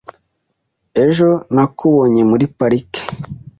Ejo nakubonye muri parike .